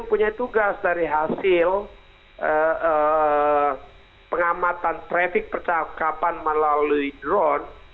mempunyai tugas dari hasil pengamatan trafik percakapan melalui drone